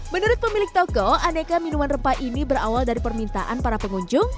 menurut pemilik toko aneka minuman rempah ini berawal dari permintaan para pengunjung